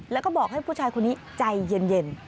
แล้วก็บอกให้ผู้ชายคนนี้ใจเย็น